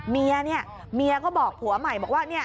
เมียก็บอกผัวใหม่บอกว่าเนี่ย